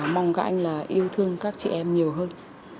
mong các anh là yêu thương các chị em nhiều hơn